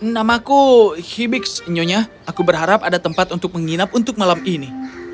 namaku hibis nyonya aku berharap ada tempat untuk menginap untuk malam ini